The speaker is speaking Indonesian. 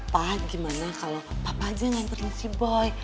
pak gimana kalau papa saja yang hantarin si boy